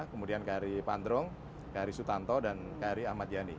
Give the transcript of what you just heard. kemudian kary pandrong kary sutanto dan kary ahmad yani